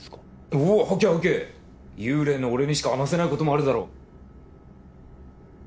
おお吐け吐け幽霊の俺にしか話せないこともあるだろう